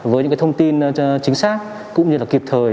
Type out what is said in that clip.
với những thông tin chính xác cũng như là kịp thời